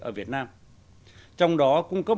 ở việt nam trong đó cung cấp